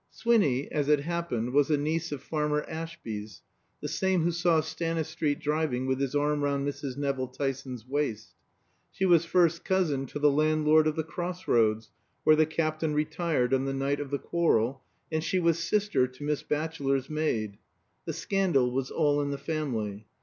Swinny, as it happened, was a niece of Farmer Ashby's, the same who saw Stanistreet driving with his arm round Mrs. Nevill Tyson's waist; she was first cousin to the landlord of "The Cross Roads," where the Captain retired on the night of the quarrel, and she was sister to Miss Batchelor's maid. The scandal was all in the family.